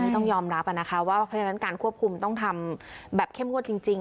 ต้องยอมรับนะคะว่าเพราะฉะนั้นการควบคุมต้องทำแบบเข้มงวดจริง